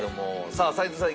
さあ齊藤さん